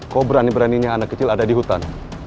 kok berani beraninya anak kecil ada di hutan